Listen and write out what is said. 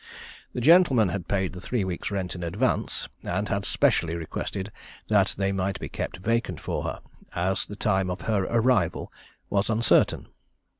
The gentleman had paid the three weeks' rent in advance, and had specially requested that they might be kept vacant for her, as the time of her arrival was uncertain.